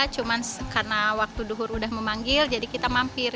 cuma karena waktu duhur udah memanggil jadi kita mampir